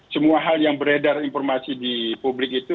semua hal yang beredar informasi di publik itu